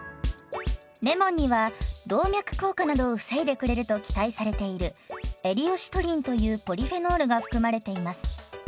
レモンには動脈硬化などを防いでくれると期待されているエリオシトリンというポリフェノールが含まれています。